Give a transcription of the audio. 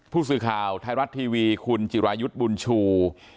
ผู้สื่อข่าวไทยรัฐทีวีคุณจิรายุทธ์บุญชู